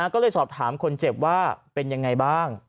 ก็เลยสอบถามคนเจ็บว่าเป็นยังไงบ้าง